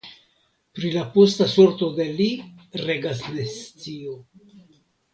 Pri la posta sorto de li regas nescio.